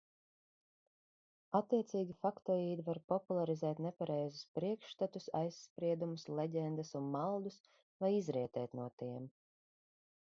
Attiecīgi faktoīdi var popularizēt nepareizus priekšstatus, aizspriedumus, leģendas un maldus, vai izrietēt no tiem.